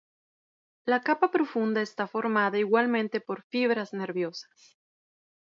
La capa profunda está formada igualmente por fibras nerviosas.